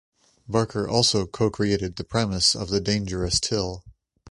Barker also co-created the premise of the dangerous till.